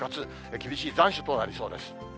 厳しい残暑となりそうです。